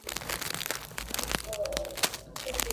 She raises high a trophy topped by an enlarged-scale boll weevil.